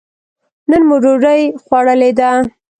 نن مو ډوډۍ خوړلې ده.